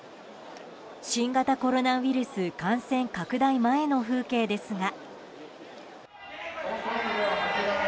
新型コロナウイルス感染拡大前の風景ですが。